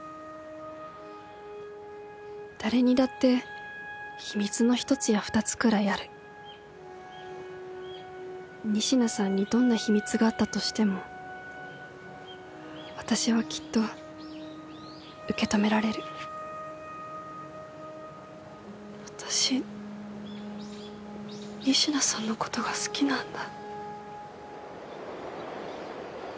誰にだって秘密の１つや２つくらいある仁科さんにどんな秘密があったとしても私はきっと受け止められる私仁科さんのことが好きなんだ。